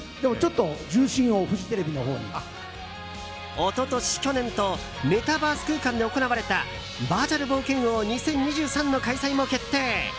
一昨年、去年とメタバース空間で行われたバーチャル冒険王２０２３の開催も決定。